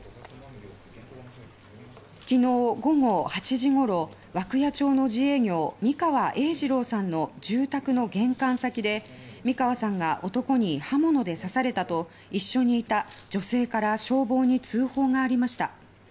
昨日、午後８時ごろ涌谷町の自営業三川栄治朗さんの住宅の玄関先で三川さんが男に刃物で刺されたと一緒にいた女性から消防に通報がありました。